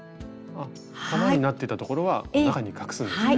玉になってたところは中に隠すんですね。